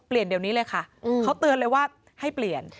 เดี๋ยวนี้เลยค่ะเขาเตือนเลยว่าให้เปลี่ยน